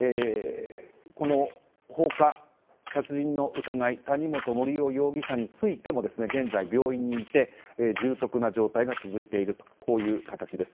この放火・殺人の疑い谷本盛雄容疑者についても現在、病院にいて重篤な状態が続いているとこういう形です。